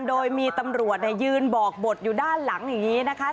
โดยมีตำรวจยืนบอกบทอยู่ด้านหลังอย่างนี้นะคะ